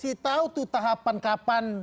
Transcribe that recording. kasih tahu tuh tahapan kapan